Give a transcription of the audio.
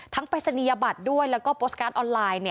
ปริศนียบัตรด้วยแล้วก็โพสต์การ์ดออนไลน์